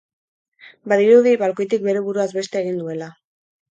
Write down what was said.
Badirudi balkoitik bere buruaz beste egin duela.